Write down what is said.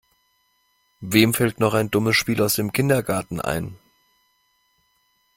Wem fällt noch ein dummes Spiel aus dem Kindergarten ein?